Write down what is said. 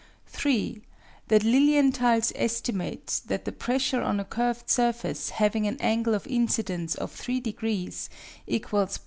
(3) that Lilienthal's estimate that the pressure on a curved surface having an angle of incidence of three degrees equals